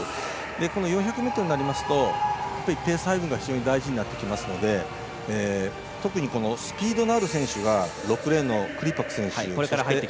この４００ｍになりますとペース配分が非常に大事になってきますので特にスピードのある選手が６レーンのクリパク選手。